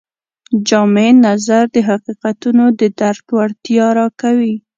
جامع نظر د حقیقتونو د درک وړتیا راکوي.